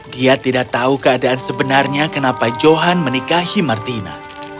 dia tidak tahu keadaan sebenarnya kenapa johan menikahi martina